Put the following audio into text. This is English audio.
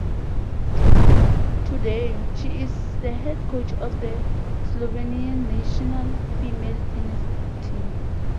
Today, she is the head coach of the Slovenian national female tennis team.